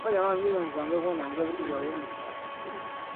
ambaye awali alikuwa mshirika wa karibu wa waziri mkuu